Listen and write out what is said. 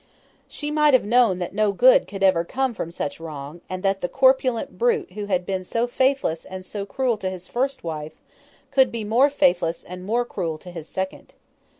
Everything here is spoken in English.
She might have known that no good could ever come from such wrong, and that the corpulent brute who had been so faithless and so cruel to his first wife, could be more faithless and more cruel to his second.